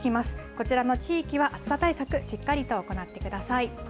こちらの地域は暑さ対策、しっかりと行ってください。